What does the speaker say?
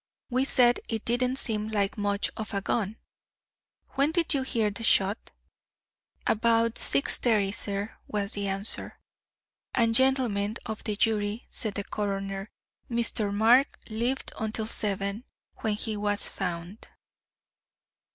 We said it didn't seem like much of a gun." "When did you hear the shot?" "About 6.30, sir," was the answer. "And, gentlemen of the jury," said the coroner, "Mr. Mark lived until seven, when he was found."